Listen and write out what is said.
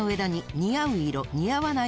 ・似合わない！